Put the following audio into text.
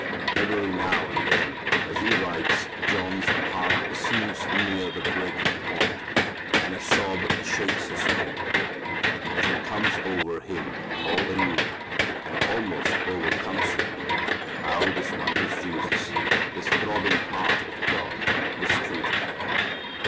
Every now and then as he writes John's heart seems near the breaking point, and a sob shakes his pen a bit, as it comes over him all anew, and almost overcomes him, how this wondrous Jesus, this throbbing heart of God, was treated.